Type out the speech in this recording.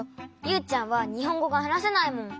ユウちゃんはにほんごがはなせないもん。